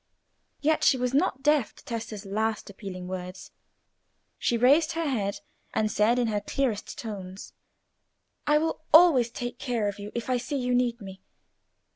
Yet she was not deaf to Tessa's last appealing words; she raised her head, and said, in her clearest tones— "I will always take care of you if I see you need me.